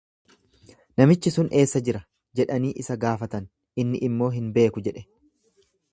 Namichi sun eessa jira? jedhanii isa gaafatan, inni immoo, Hin beeku jedhe.